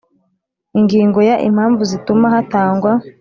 Ingingo ya impamvu zituma hatangwa